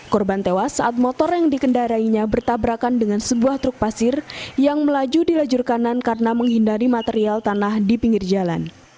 korban tewas saat motor yang dikendarainya bertabrakan dengan sebuah truk pasir yang melaju di lajur kanan karena menghindari material tanah di pinggir jalan